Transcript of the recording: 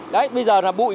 đấy bây giờ là bụi